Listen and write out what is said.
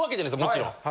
もちろん。